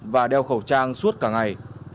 và đeo khẩu trang suốt cả ngày